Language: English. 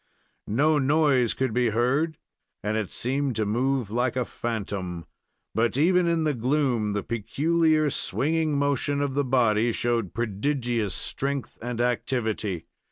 No noise could be heard and it seemed to move like a phantom; but, even in the gloom, the peculiar swinging motion of the body showed prodigious strength and activity.